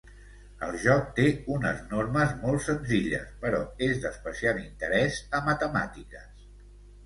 El joc té unes normes molt senzilles, però és d'especial interès a matemàtiques.